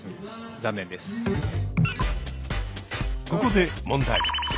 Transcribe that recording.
ここで問題。